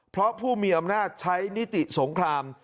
เพราะผู้มีอำนาจใช้นิติสงคราม